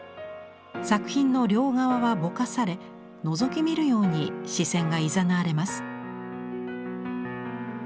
作品の両側はぼかされのぞき見るように視線がいざなわれます。